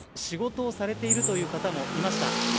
仕事をされている方もいました。